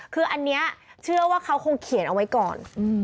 คืออันนี้เชื่อว่าเขาคงเขียนเอาไว้ก่อน